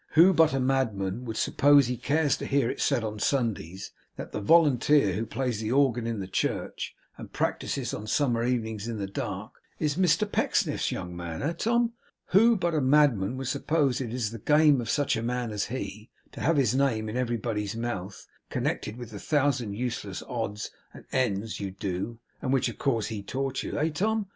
Who but a madman would suppose he cares to hear it said on Sundays, that the volunteer who plays the organ in the church, and practises on summer evenings in the dark, is Mr Pecksniff's young man, eh, Tom? Who but a madman would suppose it is the game of such a man as he, to have his name in everybody's mouth, connected with the thousand useless odds and ends you do (and which, of course, he taught you), eh, Tom?